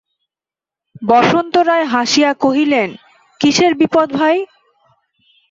বসন্ত রায় হাসিয়া কহিলেন, কিসের বিপদ ভাই?